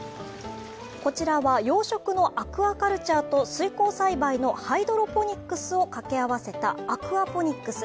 こちらは養殖のアクアカルチャーと水耕栽培のハイドロポニックスを掛け合わせたアクアポニックス。